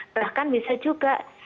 bahkan bisa juga